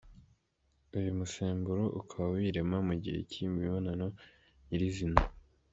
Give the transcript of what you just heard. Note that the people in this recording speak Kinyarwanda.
Uyu musemburo ukaba wirema mu gihe cy’Imibonano nyirizina.